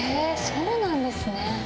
そうなんですね。